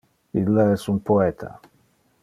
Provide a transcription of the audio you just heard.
Ille es un poeta.